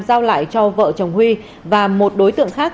giao lại cho vợ chồng huy và một đối tượng khác